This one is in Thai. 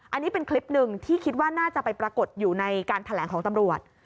อันนี้เป็นคลิปหนึ่งที่คิดว่าน่าจะไปปรากฏอยู่ในการแถลงของตำรวจ